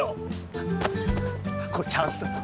これチャンスだぞ。